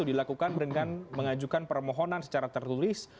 dilakukan dengan mengajukan permohonan secara tertulis